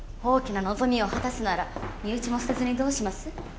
大きな望みを果たすなら身内も捨てずにどうします？